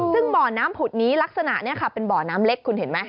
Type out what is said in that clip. ซึ่งบ่อน้ำผุดนี้ลักษณะนี้ค่ะเป็นบ่อน้ำเล็กคุณเห็นไหม